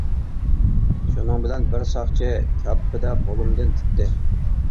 شۇنىڭ بىلەن بىر ساقچى كاپپىدە قولۇمدىن تۇتتى.